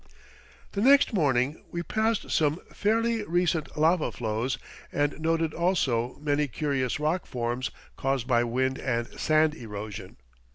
The next morning we passed some fairly recent lava flows and noted also many curious rock forms caused by wind and sand erosion.